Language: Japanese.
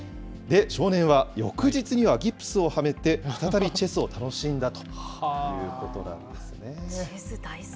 少年は、翌日にはギプスをはめて、再びチェスを楽しんだということなんですね。